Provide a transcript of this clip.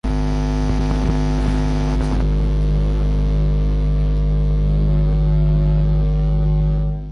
তুমি কি ভাবছ, যে-আঘাতে চমকিয়ে দিয়েছে তোমাকে, সেই আঘাতটাই তাঁকে লাগে নি।